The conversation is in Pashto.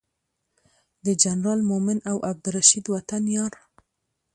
د جنرال مؤمن او عبدالرشید وطن یار